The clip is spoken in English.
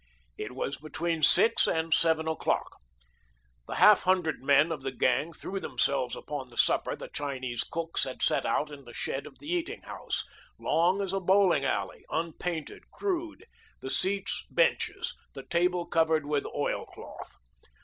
It was between six and seven o'clock. The half hundred men of the gang threw themselves upon the supper the Chinese cooks had set out in the shed of the eating house, long as a bowling alley, unpainted, crude, the seats benches, the table covered with oil cloth.